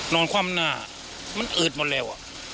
โน้นความหน้ามันอืดมาเร็ว